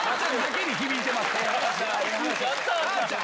あーちゃん